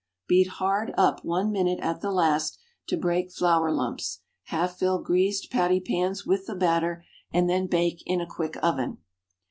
Beat hard up one minute at the last, to break flour lumps; half fill greased patty pans with the batter, and then bake in a quick oven.